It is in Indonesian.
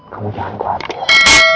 kamu jangan khawatir